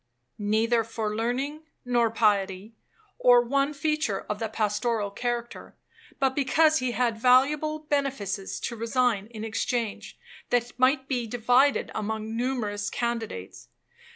neither for learning or piety, or one feature of the pastoral character, but because he had valuable benefices to resign in exchange, that might be divided among numerous candidates.